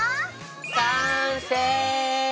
完成！